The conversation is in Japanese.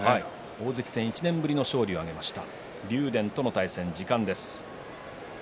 大関戦１年ぶりの勝利を挙げました。